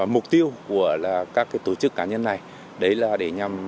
mục tiêu của các tổ chức cá nhân này đấy là để nhằm